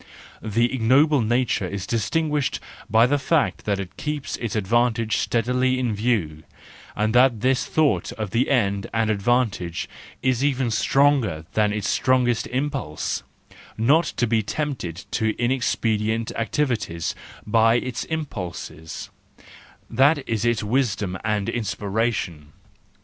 The ignoble nature is distinguished by the fact that it keeps its advantage steadily in view, and that this thought of the end and advantage is even stronger than its strongest impulse: not to be tempted to inexpedient activities by its impulses—that is its wisdom and inspiration.